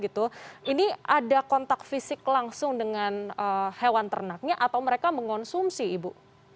ini ada kontak fisik langsung dengan hewan ternaknya atau mereka mengonsumsi ibu